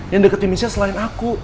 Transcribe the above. yang deketin missia selain aku